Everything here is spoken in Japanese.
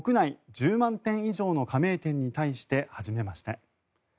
１０万店以上の加盟店に対して始めました。